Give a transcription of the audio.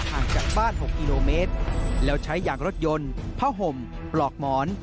ห่างจากบ้าน๖กิโลเมตรแล้วใช้ยางรถยนต์ผ้าห่มปลอกหมอน